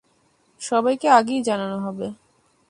সবাইকে আগেই জানানো হবে।